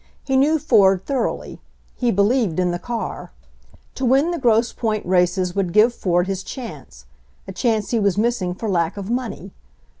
He knew Ford thoroughly ; he believed in the car. To win the Grosse Point races would give Ford his chance — a chance he was missing for lack of money.